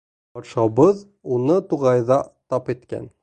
Батшабыҙ уны туғайҙа тап иткән.